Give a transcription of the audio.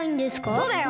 そうだよ。